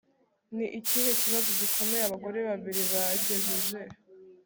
Ni ikihe kibazo gikomeye abagore babiri bagejeje